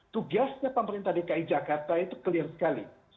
tugasnya pemerintah dki jakarta itu clear sekali